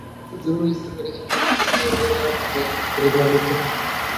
Bajitpur Zahurul Islam medical college হাসপাতালে নিয়ে যাওয়ার পথে রিমার মৃত্যু হয়।